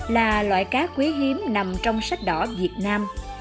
là loại cá quý hiếm nằm trong sách đỏ việt nam